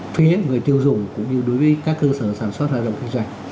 phía người tiêu dùng cũng như đối với các cơ sở sản xuất hoạt động kinh doanh